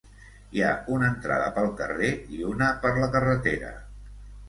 Hi ha una entrada pel carrer i una per la carretera.